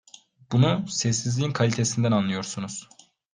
Bunu, sessizliğin kalitesinden anlıyorsunuz.